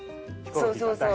そうそうそう。